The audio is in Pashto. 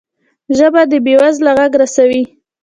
ژبه د بې وزله غږ رسوي